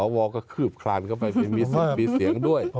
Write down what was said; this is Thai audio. สภาพวอลก็คืบคลานกล้าไปจะมีเสียงด้วย